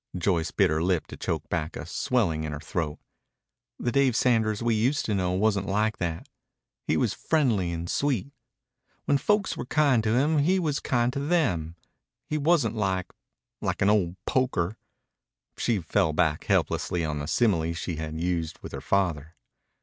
Joyce bit her lip to choke back a swelling in her throat. "The Dave we used to know wasn't like that. He was friendly and sweet. When folks were kind to him he was kind to them. He wasn't like like an old poker." She fell back helplessly on the simile she had used with her father.